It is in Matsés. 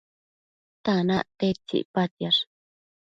tanac tedtsi icpatsiash?